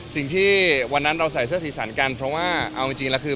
สิ่งที่วันนั้นเราใส่เสื้อสีสันกันเพราะว่าเอาจริงแล้วคือ